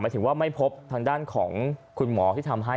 ถึงว่าไม่พบทางด้านของคุณหมอที่ทำให้